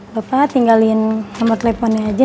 bapak tinggalin sama teleponnya aja